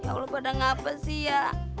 allah pada ngapa sih ya